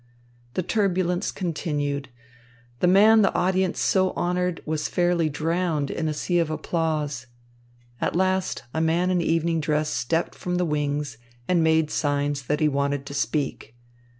The turbulence continued. The man the audience so honoured was fairly drowned in a sea of applause. At last a man in evening dress stepped from the wings and made signs that he wanted to speak.